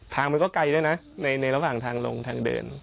มันก็ไกลด้วยนะในระหว่างทางลงทางเดิน